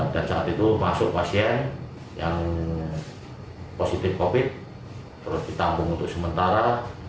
dan saat itu masuk pasien yang positif covid sembilan belas terus ditampung untuk sementara